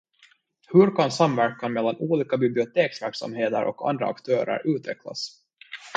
Hur kan samverkan mellan olika biblioteksverksamheter och andra aktörer utvecklas?